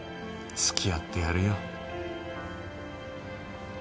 付き合ってやるよ。